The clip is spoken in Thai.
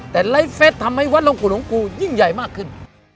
แต่ไลฟ์เฟสทำให้วัดลงกูหลวงกูยิ่งใหญ่มากขึ้น